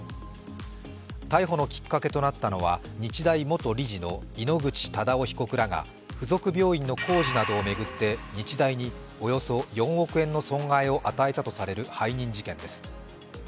逮捕のきっかけとなったのは日大元理事の井ノ口忠男被告らが附属病院の工事などを巡って日大におよそ４億円の損害を与えたとされる背任事件です。